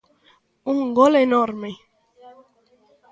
Un gol enorme.